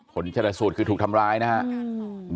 ผลชนสูตรคือถูกทำร้ายนะครับ